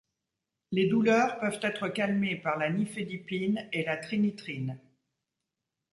Les douleurs peuvent être calmées par la nifedipine et la trinitrine.